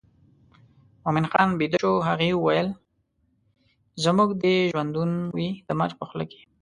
زموږ دي ژوندون وي د مرګ په خوله کي